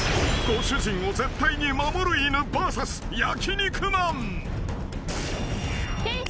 ［ご主人を絶対に守る犬ＶＳ焼肉マン］